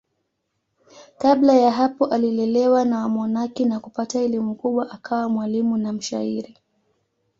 Kabla ya hapo alilelewa na wamonaki na kupata elimu kubwa akawa mwalimu na mshairi.